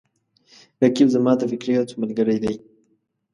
رقیب زما د فکري هڅو ملګری دی